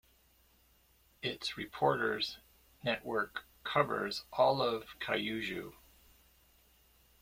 Its reporters network covers all of Kyushu.